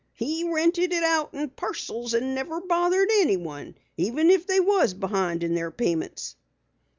He rented it out in parcels, an' never bothered anyone even if they was behind in their payments."